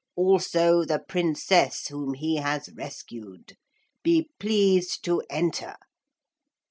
Also the Princess whom he has rescued. Be pleased to enter.'